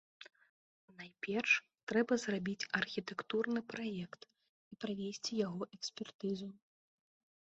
Найперш, трэба зрабіць архітэктурны праект і правесці яго экспертызу.